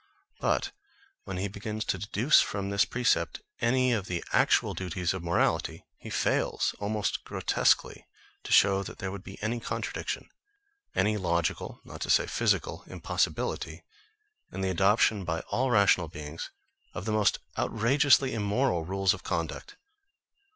But when he begins to deduce from this precept any of the actual duties of morality, he fails, almost grotesquely, to show that there would be any contradiction, any logical (not to say physical) impossibility, in the adoption by all rational beings of the most outrageously immoral rules of conduct.